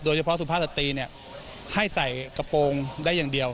โดยเฉพาะสุภาษตรีให้ใส่กระโปรงได้อย่างเดียว